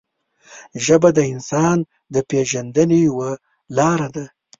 ژبه د انسان د پېژندنې یوه لاره ده